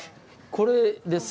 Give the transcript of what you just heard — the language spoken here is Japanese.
これです。